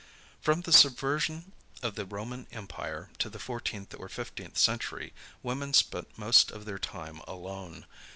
From the subversion of the Roman empire, to the fourteenth or fifteenth century, women spent most of their time alone.